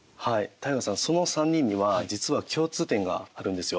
汰雅さんその３人には実は共通点があるんですよ。